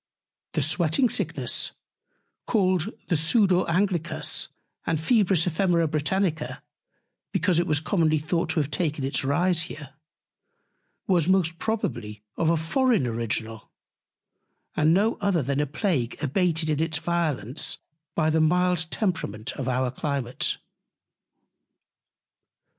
The Sweating Sickness, called the Sudor Anglicus and Febris Ephemera Britannica, because it was commonly thought to have taken its Rise here, was most probably of a foreign Original, and no other than a Plague abated in its Violence by the mild Temperament of our Climate.